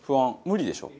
無理でしょ！